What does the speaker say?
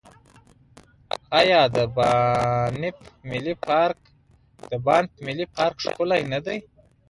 آیا د بانف ملي پارک ښکلی نه دی؟